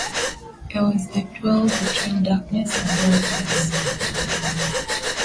It was the duel between darkness and brightness.